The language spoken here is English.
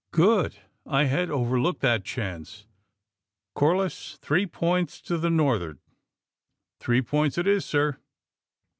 '' Good ! I had overlooked that chance. Cor liss, three points to the north 'ard." "Three points it is, sir."